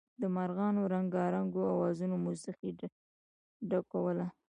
د مارغانو رنګارنګو اوازونو موسيقۍ ډکوله.